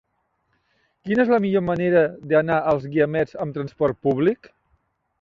Quina és la millor manera d'anar als Guiamets amb trasport públic?